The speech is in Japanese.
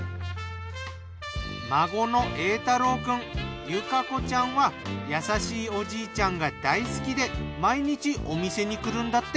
孫の英太郎君由香子ちゃんは優しいおじいちゃんが大好きで毎日お店に来るんだって。